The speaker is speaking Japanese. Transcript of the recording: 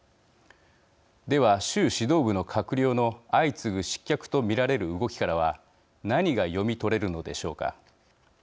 では、習指導部の閣僚の相次ぐ失脚と見られる動きからは何が読み取れるのでしょうか。